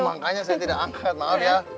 makanya saya tidak angkat maaf ya